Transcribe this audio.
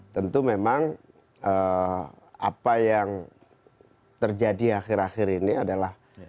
tentu memang apa yang terjadi akhir akhir ini adalah